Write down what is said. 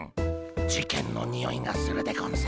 事件のにおいがするでゴンス。